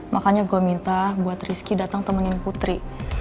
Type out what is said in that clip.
makanya gue minta buat rizky datang temenin putri